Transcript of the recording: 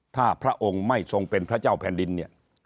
ถ้าพระองค์ไม่ทรงเป็นพระเจ้าแผ่นดินเนี่ย